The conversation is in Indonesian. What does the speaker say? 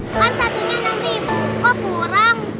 cuma satunya enam ribu kok kurang